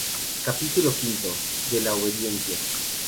Cap V: De la obediencia.